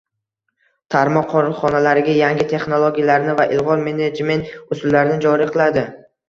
tarmoq korxonalarida yangi texnologiyalarni va ilg'or menejment usullarini joriy qiladi.